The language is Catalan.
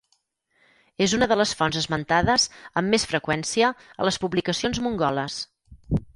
És una de les fonts esmentades amb més freqüència a les publicacions mongoles.